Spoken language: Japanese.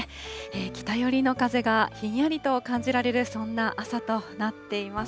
北寄りの風がひんやりと感じられる、そんな朝となっています。